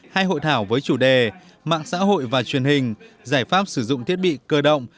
hai hội thảo với chủ đề mạng xã hội và truyền hình giải pháp sử dụng thiết bị cơ động